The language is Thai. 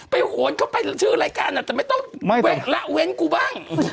ไปโหดเข้าไปชื่อรายการน่ะแต่ไม่ต้องไม่ละเว้นกูบ้าง